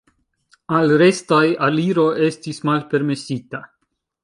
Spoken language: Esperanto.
Al restaj aliro estis malpermesita.